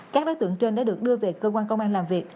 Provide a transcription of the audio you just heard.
các đối tượng trên đã được đưa về cơ quan công an làm việc